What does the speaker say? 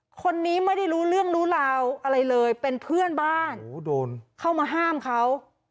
คนนี้ไม่ได้รู้เรื่องรู้ราวอะไรเลยเป็นเพื่อนบ้านโอ้โหโดนเข้ามาห้ามเขา